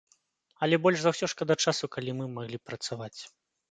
Але больш за ўсё шкада часу, калі мы маглі б працаваць.